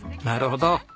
なるほど。